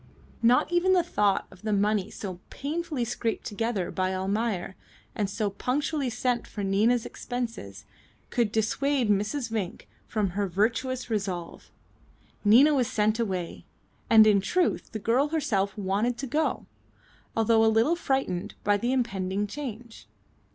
Not even the thought of the money so painfully scraped together by Almayer, and so punctually sent for Nina's expenses, could dissuade Mrs. Vinck from her virtuous resolve. Nina was sent away, and in truth the girl herself wanted to go, although a little frightened by the impending change.